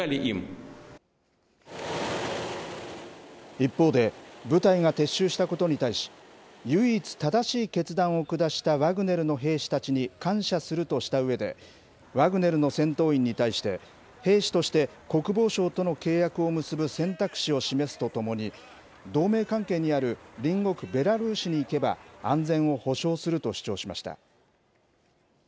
一方で、部隊が撤収したことに対し、唯一正しい決断を下したワグネルの兵士たちに感謝するとしたうえで、ワグネルの戦闘員に対して、兵士として国防省との契約を結ぶ選択肢を示すとともに、同盟関係にある隣国ベラルーシに行けば、安全を保障すると主張しました。